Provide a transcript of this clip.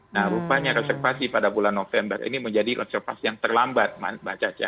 nah rupanya reservasi pada bulan november ini menjadi observasi yang terlambat mbak caca